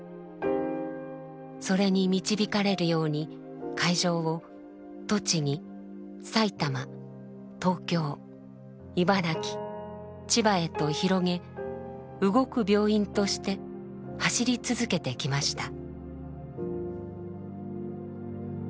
それに導かれるように会場を栃木埼玉東京茨城千葉へと広げ「動く病院」として走り続けてきました。